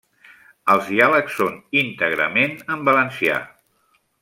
Els diàlegs són íntegrament en valencià.